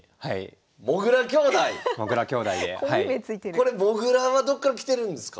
これもぐらはどっから来てるんですか？